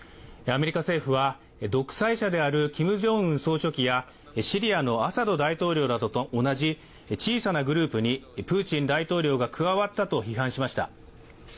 アメリカ政府は独裁者であるキム・ジョンウン総書記やシリアのアサド大統領らと同じ小さなグループにプーチン大統領が加わったと批判しました。